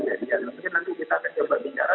jadi mungkin nanti kita akan coba bicara